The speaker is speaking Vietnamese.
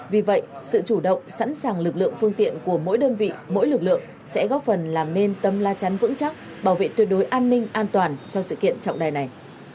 vì vậy sự chủ động sẵn sàng lực lượng phương tiện của mỗi đơn vị mỗi lực lượng sẽ góp phần làm nên tấm la chắn vững chắc bảo vệ tuyệt đối an ninh an toàn cho sự kiện trọng đại này